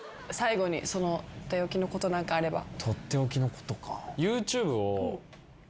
・とっておきのことか。